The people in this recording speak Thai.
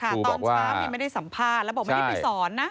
ตอนเช้ามีไม่ได้สัมภาษณ์แล้วบอกไม่ได้ไปสอนนะ